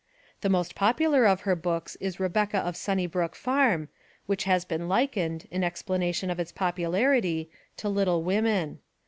The most popular of her books is Rebecca of Sunnybrook Farm, which has been likened, in explanation of its popularity, to Little Women.